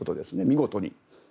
見事に。